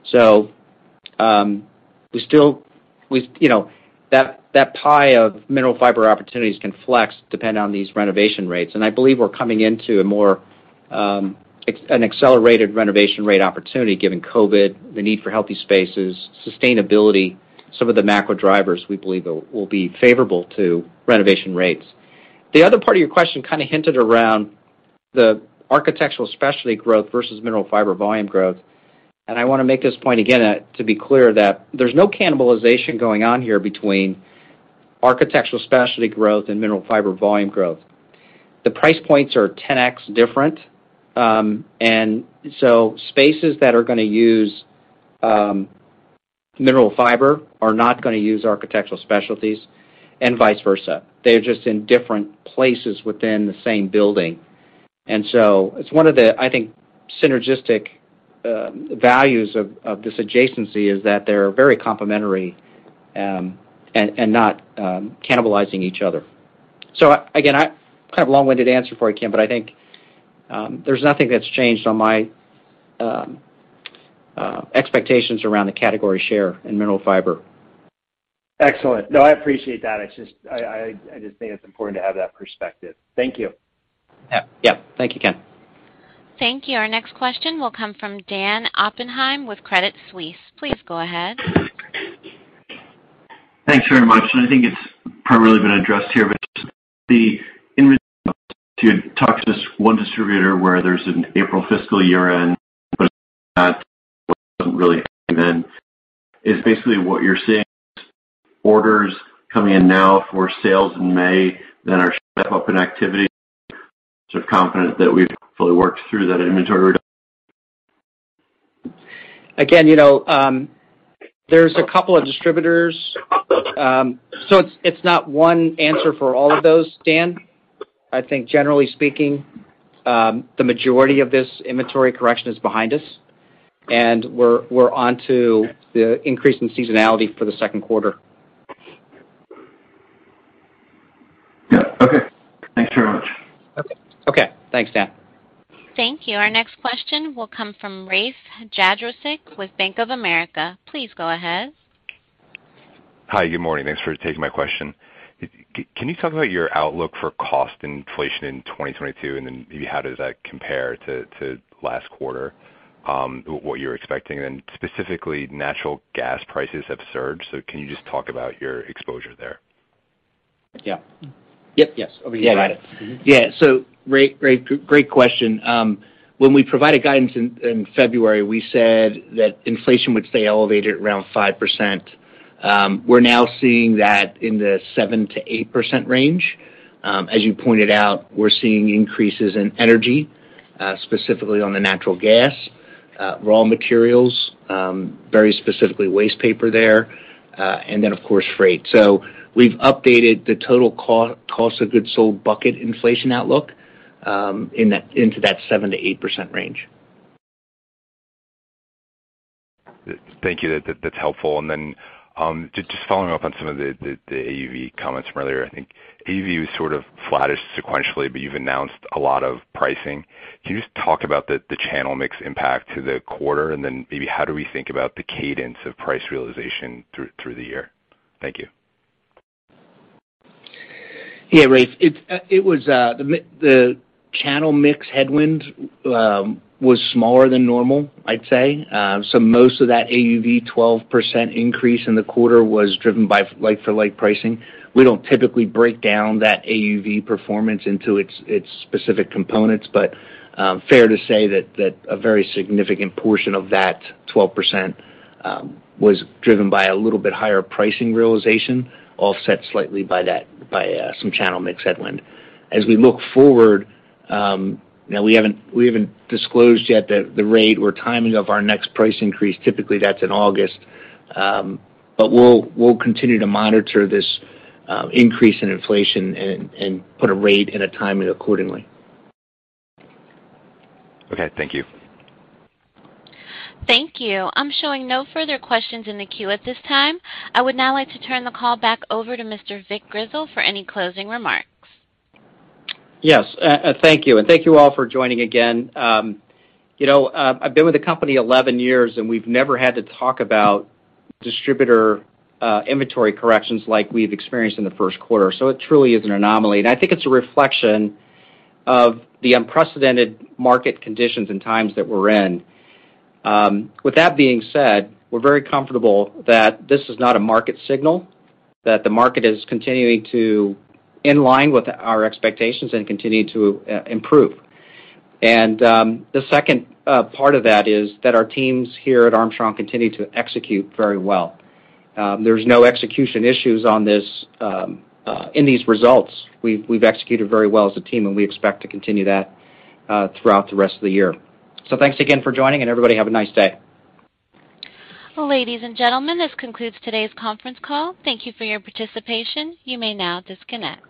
We still, you know, that pie of Mineral Fiber opportunities can flex depending on these renovation rates. I believe we're coming into a more accelerated renovation rate opportunity given COVID, the need for Healthy Spaces, sustainability. Some of the macro drivers we believe will be favorable to renovation rates. The other part of your question kind of hinted around the Architectural Specialties growth versus Mineral Fiber volume growth. I want to make this point again, to be clear that there's no cannibalization going on here between Architectural Specialties growth and Mineral Fiber volume growth. The price points are 10x different. Spaces that are gonna use mineral fiber are not gonna use Architectural Specialties and vice versa. They're just in different places within the same building. It's one of the, I think, synergistic values of this adjacency is that they're very complementary and not cannibalizing each other. Again, kind of a long-winded answer for you, Ken, but I think there's nothing that's changed on my expectations around the category share in Mineral Fiber.
Excellent. No, I appreciate that. It's just, I just think it's important to have that perspective. Thank you.
Yeah. Yeah. Thank you, Ken.
Thank you. Our next question will come from Dan Oppenheim with Credit Suisse. Please go ahead.
Thanks very much. I think it's primarily been addressed here, but
Again, you know, there's a couple of distributors. It's not one answer for all of those, Dan. I think generally speaking, the majority of this inventory correction is behind us, and we're on to the increase in seasonality for the second quarter.
Yeah. Okay. Thanks very much.
Okay. Thanks, Dan.
Thank you. Our next question will come from Rafe Jadrosich with Bank of America. Please go ahead.
Hi. Good morning. Thanks for taking my question. Can you talk about your outlook for cost inflation in 2022, and then maybe how does that compare to last quarter, what you're expecting? Specifically, natural gas prices have surged, so can you just talk about your exposure there?
Yeah. Yep. Yes. Over to you, Scott.
Yeah.
Mm-hmm. Rafe, great question. When we provided guidance in February, we said that inflation would stay elevated at around 5%. We're now seeing that in the 7%-8% range. As you pointed out, we're seeing increases in energy, specifically on the natural gas, raw materials, very specifically wastepaper there, and then, of course, freight. We've updated the total cost of goods sold bucket inflation outlook into that 7%-8% range.
Thank you. That's helpful. Then, just following up on some of the AUV comments from earlier, I think AUV was sort of flattish sequentially, but you've announced a lot of pricing. Can you just talk about the channel mix impact to the quarter? Then maybe how do we think about the cadence of price realization through the year? Thank you.
Yeah, Rafe. It was the channel mix headwind was smaller than normal, I'd say. So most of that AUV 12% increase in the quarter was driven by like-for-like pricing. We don't typically break down that AUV performance into its specific components, but fair to say that a very significant portion of that 12% was driven by a little bit higher pricing realization, offset slightly by that by some channel mix headwind. As we look forward, now we haven't disclosed yet the rate or timing of our next price increase. Typically, that's in August. But we'll continue to monitor this increase in inflation and put a rate and a timing accordingly.
Okay. Thank you.
Thank you. I'm showing no further questions in the queue at this time. I would now like to turn the call back over to Mr. Vic Grizzle for any closing remarks.
Yes. Thank you, and thank you all for joining again. You know, I've been with the company 11 years, and we've never had to talk about distributor inventory corrections like we've experienced in the first quarter. It truly is an anomaly, and I think it's a reflection of the unprecedented market conditions and times that we're in. With that being said, we're very comfortable that this is not a market signal, that the market is continuing in line with our expectations and continue to improve. The second part of that is that our teams here at Armstrong continue to execute very well. There's no execution issues on this in these results. We've executed very well as a team, and we expect to continue that throughout the rest of the year. Thanks again for joining, and everybody have a nice day.
Ladies and gentlemen, this concludes today's conference call. Thank you for your participation. You may now disconnect.